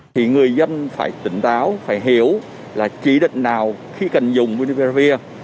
thì người dân phải tỉnh táo phải hiểu là chỉ định nào khi cần dùng vea